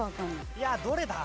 いやどれだ？